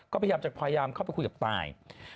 ก็พยายามจะพยายามเข้าไปคุยกับตาย